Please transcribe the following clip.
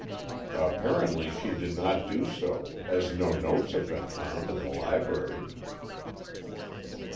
"Apparently she did not do so, as no notes have been found in the library."